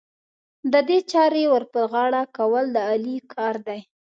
د دې چارې ور پر غاړه کول، د علي کار دی.